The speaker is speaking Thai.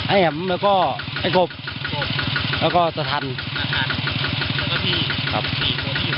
ไอ้แอ๋มแล้วก็ไอ้กบแล้วก็สะทันแล้วก็พี่